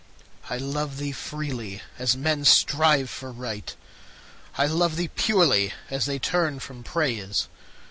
I love thee freely, as men strive for Right; I love thee purely, as they turn from Praise.